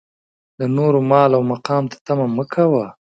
د نورو مال او مقام ته طمعه مه کوه.